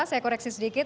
saya koreksi sedikit